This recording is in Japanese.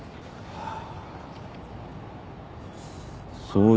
はあ。